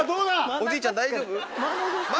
おじいちゃん大丈夫？